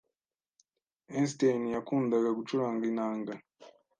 Einstein yakundaga gucuranga inanga.